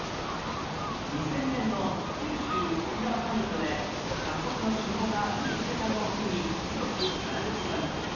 ２０００年の九州・沖縄サミットで各国の首脳が身に着けたのを機に広く知られる事に